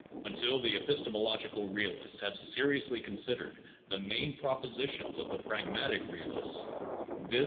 Until the epistemological realists have seriously considered the main propositions of the pragmatic realists, viz.